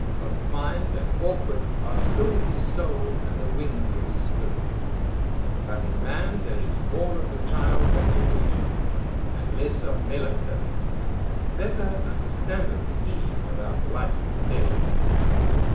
Confined and awkward are still his soul and the wings of his spirit. But in man there is more of the child than in the youth, and less of melancholy: better understandeth he about life and death.